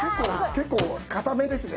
結構硬めですね